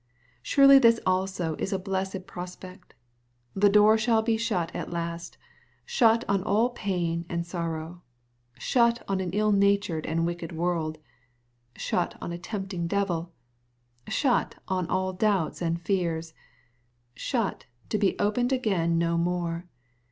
Surely this also is a blessed prospect. The door shall be shut at last — shut on all pain and sorrow, — shut on an illnatured and wicked world — shut on a tempting devil — shut on all doubts and fears — shut, to be opened again no more.